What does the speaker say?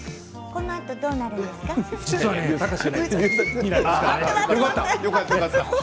このあとどうなるんですか？